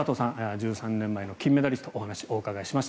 １３年前の金メダリストお話をお伺いしました。